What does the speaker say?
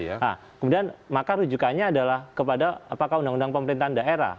nah kemudian maka rujukannya adalah kepada apakah undang undang pemerintahan daerah